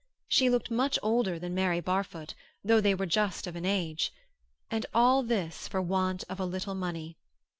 She looked much older than Mary Barfoot, though they were just of an age. And all this for want of a little money.